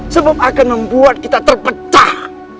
sebab akan membuat kita terpecah